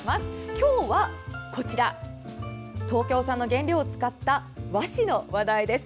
今日は東京産の原料を使った和紙の話題です。